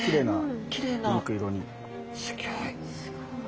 すごい。